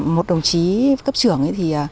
một đồng chí cấp trưởng